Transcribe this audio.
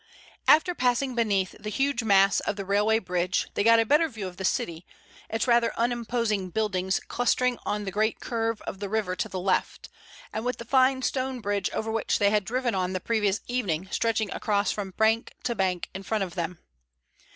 After passing beneath the huge mass of the railway bridge they got a better view of the city, its rather unimposing buildings clustering on the great curve of the river to the left, and with the fine stone bridge over which they had driven on the previous evening stretching across from bank to bank in front of them.